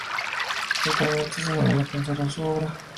Actualmente su familia conserva su obra.